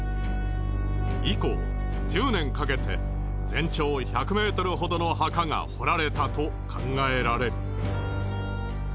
以降１０年かけて全長１００ｍほどの墓が掘られたと考えられる。